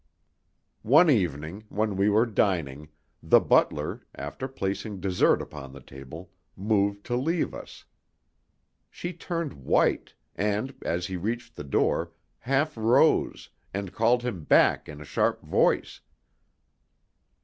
One evening, when we were dining, the butler, after placing dessert upon the table, moved to leave us. She turned white, and, as he reached the door, half rose, and called him back in a sharp voice.